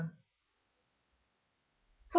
PROP.